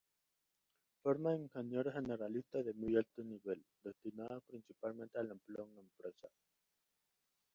Forma ingenieros generalistas de muy alto nivel, destinados principalmente al empleo en empresas.